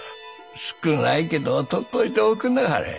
少ないけど取っといておくなはれ。